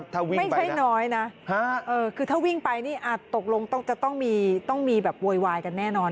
ถ้าวิ่งไปนะคือถ้าวิ่งไปนี่อาจตกลงจะต้องมีแบบโวยวายกันแน่นอน